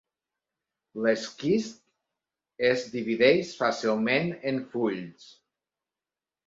L'esquist es divideix fàcilment en fulls.